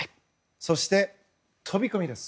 そして、飛込です。